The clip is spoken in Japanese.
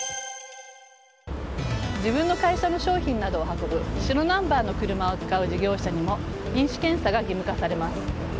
自分の会社の商品などを運ぶ白ナンバーの車を使う事業者にも飲酒検査が義務化されます。